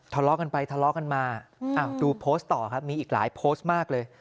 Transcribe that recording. ทะเลาะกันไปทะเลาะกันมาดูโพสต์ต่อครับมีอีกหลายโพสต์มากเลย